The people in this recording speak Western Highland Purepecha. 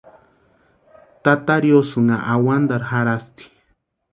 Tata riosïnha awantarhu jarhasti.